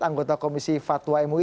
anggota komisi fatwa mui